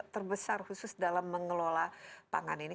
terbesar khusus dalam mengelola pangan ini